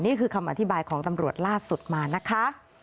นี่คือคำอธิบายของตำรวจล่าสุดมานะคะ